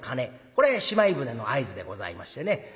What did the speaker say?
これしまい舟の合図でございましてね